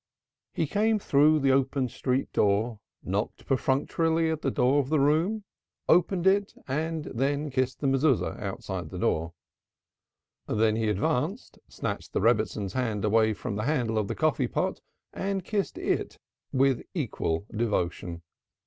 He came through the open street door, knocked perfunctorily at the door of the room, opened it and then kissed the Mezuzah outside the door. Then he advanced, snatched the Rebbitzin's hand away from the handle of the coffee pot and kissed it with equal devotion.